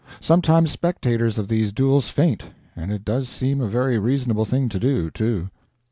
Sometimes spectators of these duels faint and it does seem a very reasonable thing to do, too.